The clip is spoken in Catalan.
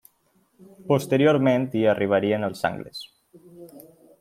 Posteriorment hi arribarien els angles.